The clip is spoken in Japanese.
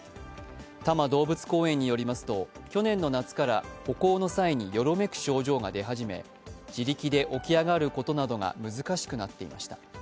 多摩動物公園によりますと、去年の夏から歩行の際によろめく症状が出始め自力で起き上がることなどが難しくなっていました。